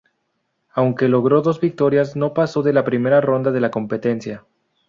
Aunque logró dos victorias, no pasó de la primera ronda de la competencia.